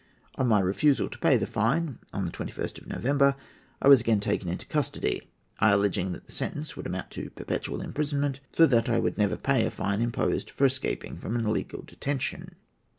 "On my refusal to pay the fine, on the 21st of November, I was again taken into custody, I alleging that the sentence would amount to perpetual imprisonment, for that I would never pay a fine imposed for escaping from an illegal detention.